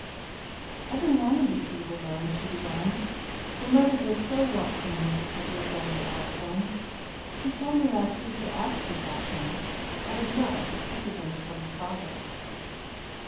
"I've been wanting to see you alone," she began. "Your mother does so want some news of your brother Osborne. She told me last week to ask you about him, but I did not like to speak of him before your father."